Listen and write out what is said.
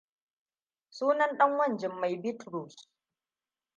Sunan ɗan wan Jummai Bitrus.